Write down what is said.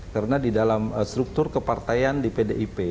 karena di dalam struktur kepartaian di pdip